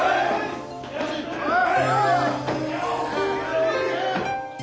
はい！